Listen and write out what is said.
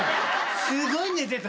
すごい寝てた。